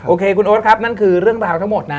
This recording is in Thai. โอเคคุณโอ๊ตครับนั่นคือเรื่องราวทั้งหมดนะ